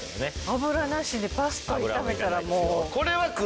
油なしでパスタ炒めたらもう。